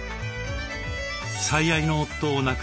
最愛の夫を亡くした